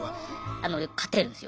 あの勝てるんですよ。